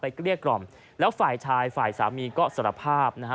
เกลี้ยกล่อมแล้วฝ่ายชายฝ่ายสามีก็สารภาพนะฮะ